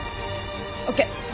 ＯＫ。